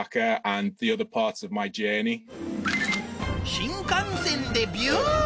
新幹線でビューン